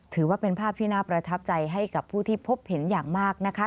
ถือว่าเป็นภาพที่น่าประทับใจให้กับผู้ที่พบเห็นอย่างมากนะคะ